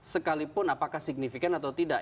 sekalipun apakah signifikan atau tidak